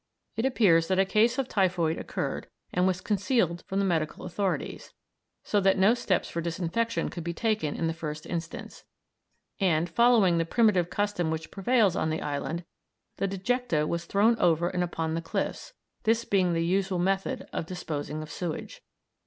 It appears that a case of typhoid occurred and was concealed from the medical authorities, so that no steps for disinfection could be taken in the first instance; and, following the primitive custom which prevails on the island, the dejecta was thrown over and upon the cliffs, this being the usual method of disposing of sewage.